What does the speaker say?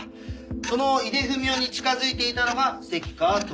この井出文雄に近づいていたのが関川朋美です。